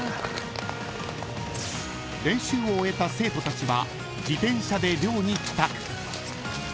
［練習を終えた生徒たちは自転車で寮に帰宅］